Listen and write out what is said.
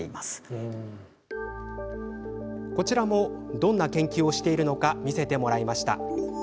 どんな研究をしているのか見せてもらいました。